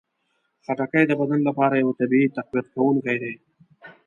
خټکی د بدن لپاره یو طبیعي تقویت کوونکی دی.